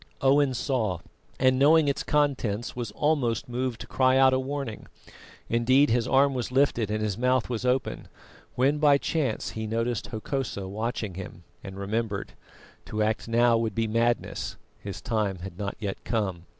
Owen saw, and knowing its contents, was almost moved to cry out in warning. Indeed, his arm was lifted and his mouth was open, when by chance he noted Hokosa watching him, and remembered. To act now would be madness, his time had not yet come.